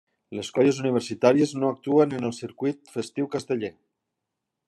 Les colles universitàries no actuen en el circuit festiu casteller.